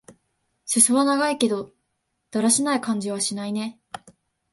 すそは長いけど、だらしない感じはしないね。